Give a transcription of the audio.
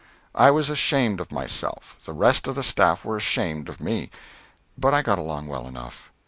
I was ashamed of myself; the rest of the staff were ashamed of me but I got along well enough.